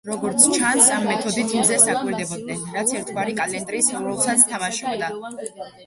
როგორც ჩანს, ამ მეთოდით მზეს აკვირდებოდნენ, რაც ერთგვარი კალენდრის როლსაც თამაშობდა.